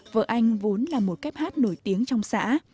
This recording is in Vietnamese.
vợ anh vốn là một kép hát nổi tiếng trong xã